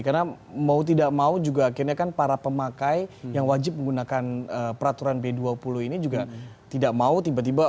karena mau tidak mau juga akhirnya kan para pemakai yang wajib menggunakan peraturan b dua puluh ini juga tidak mau tiba tiba